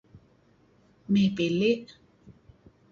Mey pili'.